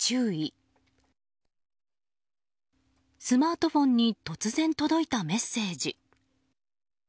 スマートフォンに突然届いたメッセージ。